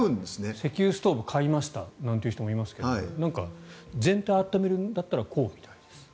石油ストーブを買いましたという人もいますが全体を暖めるんだったらこうみたいです。